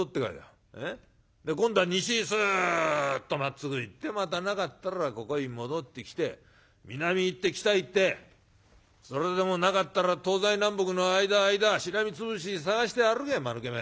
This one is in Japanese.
今度は西へすっとまっつぐ行ってまたなかったらここへ戻ってきて南行って北行ってそれでもなかったら東西南北の間間しらみつぶしに探して歩けまぬけめ。